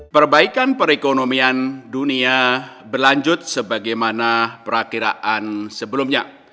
perbaikan perekonomian dunia berlanjut sebagaimana perakiraan sebelumnya